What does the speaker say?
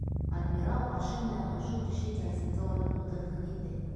Адмирал башы менән ошо кеше кәрзинкә үреп ултырһын инде.